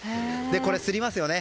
これ、すりますよね。